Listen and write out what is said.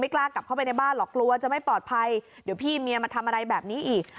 กล้ากลับเข้าไปในบ้านหรอกกลัวจะไม่ปลอดภัยเดี๋ยวพี่เมียมาทำอะไรแบบนี้อีก